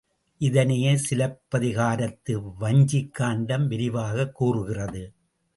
இதனையே சிலப்பதிகாரத்து வஞ்சிக்காண்டம் விரிவாகக் கூறுகிறது.